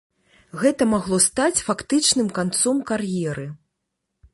Гэта магло стаць фактычным канцом кар'еры.